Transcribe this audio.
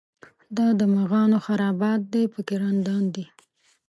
دا د مغانو خرابات دی په کې رندان دي.